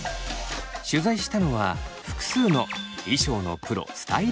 取材したのは複数の衣装のプロスタイリスト。